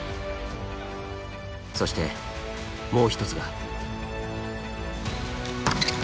そしてもう一つが。